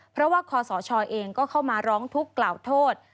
เพราะว่าคอสชเองก็เข้ามาร้องทุกข์กล่าวโทษ